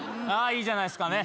いいじゃないですかね。